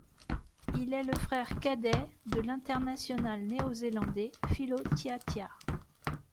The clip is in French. Il est le frère cadet de l'international néo-zélandais Filo Tiatia.